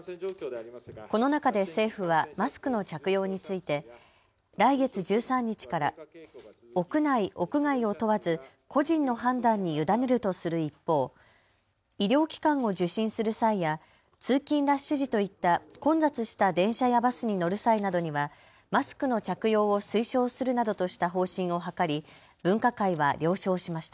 この中で政府はマスクの着用について来月１３日から屋内・屋外を問わず個人の判断に委ねるとする一方、医療機関を受診する際や通勤ラッシュ時といった混雑した電車やバスに乗る際などにはマスクの着用を推奨するなどとした方針を諮り分科会は了承しました。